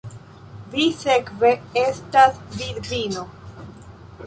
Vi sekve estas vidvino!